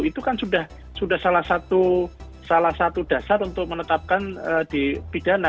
itu kan sudah salah satu dasar untuk menetapkan di pidana